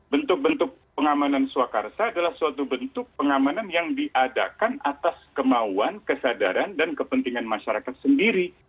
bentuk bentuk pengamanan swakarsa adalah suatu bentuk pengamanan yang diadakan atas kemauan kesadaran dan kepentingan masyarakat sendiri